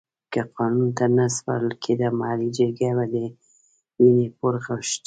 که قانون ته نه سپارل کېده محلي جرګې به د وينې پور غوښت.